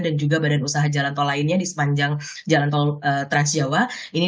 dan juga badan usaha jalan tol lainnya di sepanjang jalan tol trans jawa